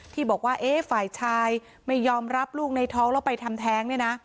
ที่บอกว่าฝ่ายชายไม่ยอมรับลูกในท้องแล้วไปทำแท้ง